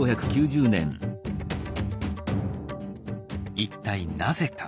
一体なぜか。